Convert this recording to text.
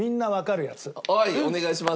はいお願いします。